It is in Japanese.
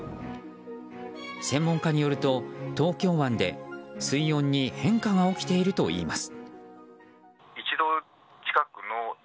専門家によると東京湾で水温に変化が起きているといいます。